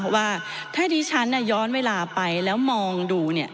ว่าถ้าดิฉันย้อนเวลาไปแล้วมองดู